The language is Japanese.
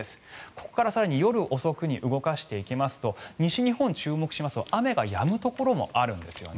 ここから更に夜遅くに動かしていきますと西日本、注目しますと雨がやむところもあるんですよね。